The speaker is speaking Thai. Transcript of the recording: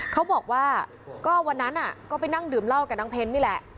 เขาบอกว่าก็วันนั้นก็ไปนั่งดื่มเหล้ากับนางเพ้นนี่แหละ